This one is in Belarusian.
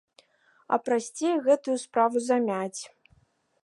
А прасцей гэтую справу замяць.